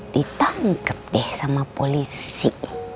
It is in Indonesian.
ditangkep deh sama polisi